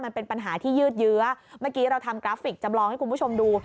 มันเป็นปัญหาที่ยืดเยื้อเมื่อกี้เราทำกราฟิกจำลองให้คุณผู้ชมดู